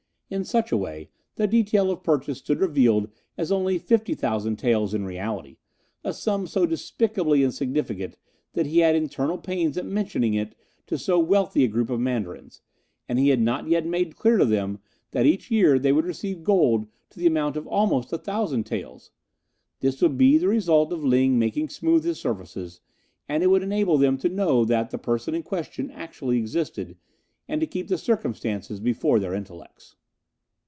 In such a way the detail of purchase stood revealed as only fifty thousand taels in reality, a sum so despicably insignificant that he had internal pains at mentioning it to so wealthy a group of Mandarins, and he had not yet made clear to them that each year they would receive gold to the amount of almost a thousand taels. This would be the result of Ling making smooth his surfaces, and it would enable them to know that the person in question actually existed, and to keep the circumstances before their intellects.